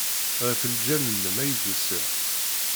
Ɣef lǧal-nnem ay d-usiɣ.